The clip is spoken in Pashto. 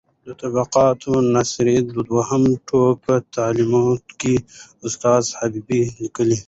د طبقات ناصري د دویم ټوک په تعلیقاتو کې استاد حبیبي لیکي: